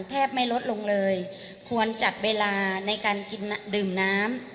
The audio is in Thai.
แทบไม่ลดลงเลยควรจัดเวลาในการกินดื่มน้ำ